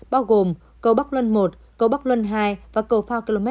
bao gồm cầu bắc luân i cầu bắc luân ii và cầu phao km ba bốn